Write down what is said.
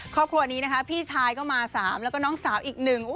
ครอบครัวนี้นะคะพี่ชายก็มา๓แล้วก็น้องสาวอีกหนึ่ง